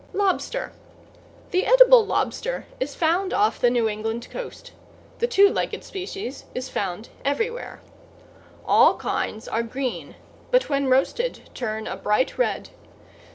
=LOBSTER= The edible lobster is found off the New England Coast. The two legged species is found everywhere. All kinds are green, but when roasted turn a bright red.